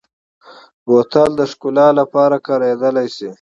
بوتل د ښکلا لپاره کارېدلی شي.